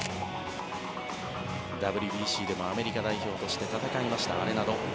ＷＢＣでもアメリカ代表として戦いました、アレナド。